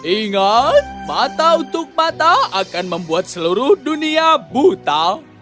ingat mata untuk mata akan membuat seluruh dunia buta